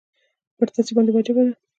پر تاسي باندي واجبه ده.